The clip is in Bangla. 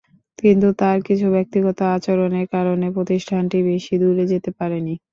কিন্তু তাঁর কিছু ব্যক্তিগত আচরণের কারণে প্রতিষ্ঠানটি বেশি দূর যেতে পারেনি।